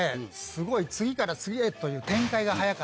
すごい次から次へという。